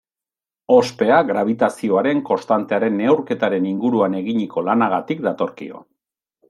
Ospea grabitazioaren konstantearen neurketaren inguruan eginiko lanagatik datorkio.